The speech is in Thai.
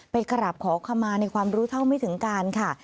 ไปกราบขอขมาในความรู้เท่าไม่ถึงการค่ะ